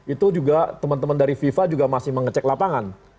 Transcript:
itu juga teman teman dari fifa juga masih mengecek lapangan